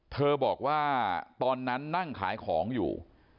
เธอบอกว่าตอนนั้นนั่งขายของอยู่